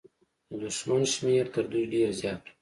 د دښمن شمېر تر دوی ډېر زيات و.